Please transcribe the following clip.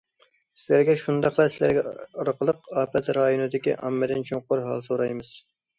سىلەرگە شۇنداقلا سىلەر ئارقىلىق ئاپەت رايونىدىكى ئاممىدىن چوڭقۇر ھال سورايمىز!